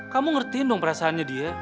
kamu ngertiin dong perasaannya dia